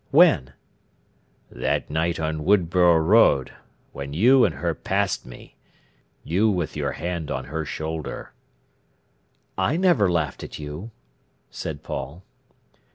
"When?" "That night on Woodborough Road, when you and her passed me—you with your hand on her shoulder." "I never laughed at you," said Paul.